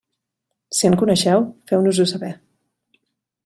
Si en coneixeu, feu-nos-ho saber.